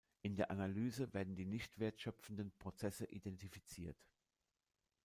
In der Analyse werden die nicht-wertschöpfenden Prozesse identifiziert.